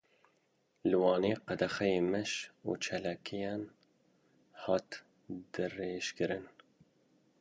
Li Wanê qedexeye meş û çalakiyan hat dirêjkirin.